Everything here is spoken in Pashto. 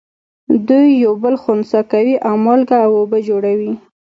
دوی یو بل خنثی کوي او مالګه او اوبه جوړوي.